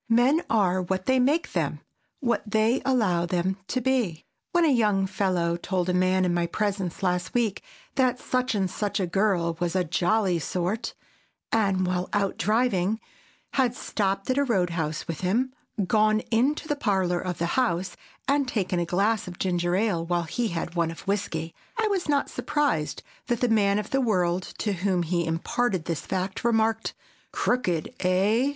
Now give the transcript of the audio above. Men are what they make them, what they allow them to be. When a young fellow told a man in my presence last week that such and such a girl was a "jolly sort," and, while out driving, had stopped at a roadhouse with him, gone into the parlor of the house and taken a glass of ginger ale while he had one of whisky, I was not surprised that the man of the world to whom he imparted this fact, remarked, "Crookéd, eh?"